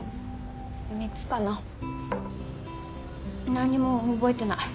何にも覚えてない。